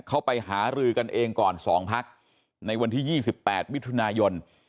ไปหารือกันเองก่อน๒พักในวันที่๒๘มิถุนายน